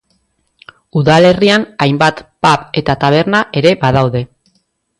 Udalerrian hainbat pub eta taberna ere badaude.